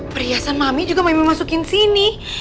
perhiasan mami juga mami masukin sini